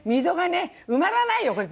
溝がね埋まらないよ